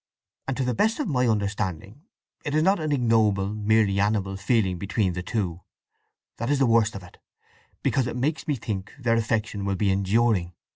And, to the best of my understanding, it is not an ignoble, merely animal, feeling between the two: that is the worst of it; because it makes me think their affection will be enduring.